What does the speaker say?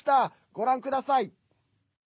ご覧ください。